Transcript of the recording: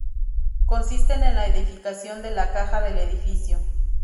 Consisten en la edificación de la caja del edificio.